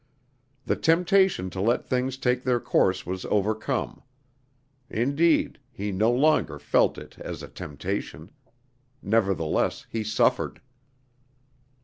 The temptation to let things take their course was overcome. Indeed, he no longer felt it as a temptation; nevertheless he suffered.